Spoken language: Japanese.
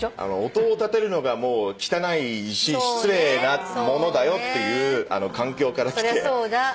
音を立てるのがもう汚いし失礼なものだよっていう環境から来て。